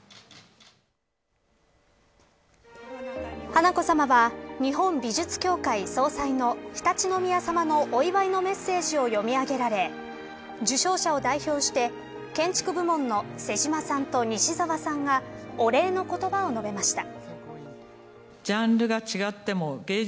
華子さまは日本美術協会総裁の常陸宮さまのお祝いのメッセージを読み上げられ受賞者を代表して、建築部門の妹島さんと西沢さんがお礼の言葉を述べました。